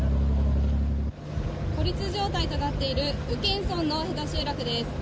孤立状態となっている宇検村の集落です。